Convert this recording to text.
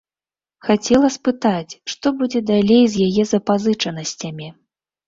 Хацела спытаць, што будзе далей з яе запазычанасцямі.